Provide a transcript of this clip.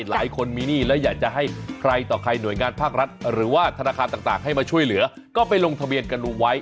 หลายคนมีหนี้และอยากจะให้ใครต่อใครหน่วยงานภาครัฐหรือว่าธนาคารต่างให้มาช่วยเหลือก็ไปลงทะเบียนกันดูไว้